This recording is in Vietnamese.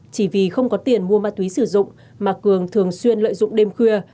chỉ vì không có tiền mua ma túy sử dụng mà cường thường xuyên lợi dụng đêm khuya